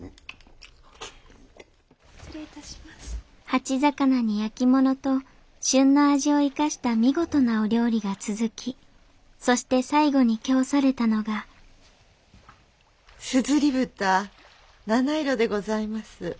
鉢肴に焼き物と旬の味を生かした見事なお料理が続きそして最後に饗されたのが硯蓋七色でございます。